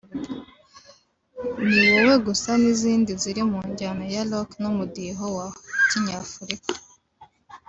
‘Ni wowe gusa’ n’izindi ziri mu njyana ya Rock n’umudiho wa Kinyafurika